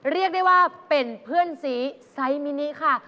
เรียกได้ว่าเป็นเพื่อนสีไซส์มินิค่ะ